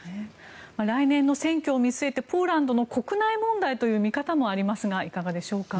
来年の選挙を見据えてポーランドの国内問題との見方もありますがいかがでしょうか。